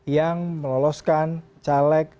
yang meloloskan caleg